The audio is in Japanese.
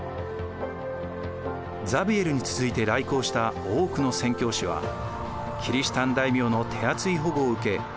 ザビエルに続いて来航した多くの宣教師はキリシタン大名の手厚い保護を受け